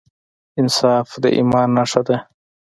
انصاف د ایمان نښه ده.